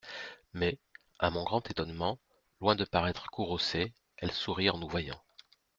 Mais, à mon grand étonnement, Loin de paraître courroucée Elle sourit en nous voyant !